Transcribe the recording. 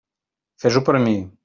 Fes-ho per mi.